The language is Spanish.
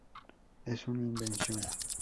Es una invención.